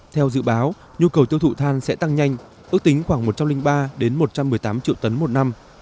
theo dự báo nhu cầu tiêu thụ than sẽ tăng nhanh ước tính khoảng một trăm linh ba một trăm một mươi tám triệu tấn một năm